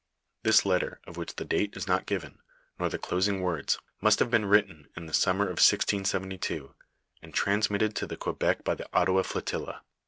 Tliis letter of which the date is not given, nor the closing words, must have been written in the summer of 1672, and transmitted to Quebec by the Ottawa flotilla.